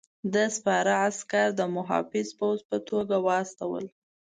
ده سپاره عسکر د محافظ پوځ په توګه واستول.